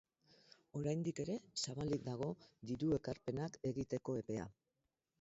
Oraindik ere zabalik dago diru ekarpenak egiteko epea.